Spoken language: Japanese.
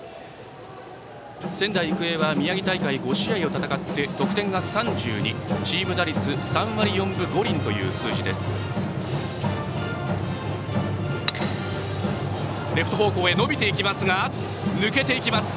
仙台育英は宮城大会５試合を戦って得点が３２、チーム打率が３割４分５厘という数字です。